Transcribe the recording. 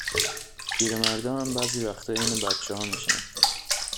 پیرمردا هم بعضی وقتا عین بچه ها می شن